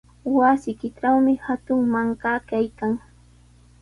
Wasiykitrawmi hatun mankaa kaykan.